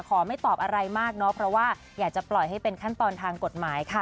ไม่ตอบอะไรมากเนาะเพราะว่าอยากจะปล่อยให้เป็นขั้นตอนทางกฎหมายค่ะ